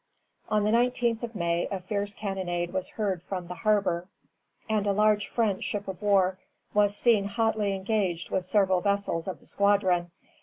On the 19th of May a fierce cannonade was heard from the harbor, and a large French ship of war was seen hotly engaged with several vessels of the squadron.